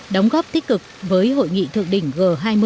đóng góp tích cực với hội nghị thượng đỉnh g hai mươi